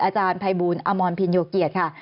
อาจารย์ภัยบูลอมรพินโยเกียรติค่ะ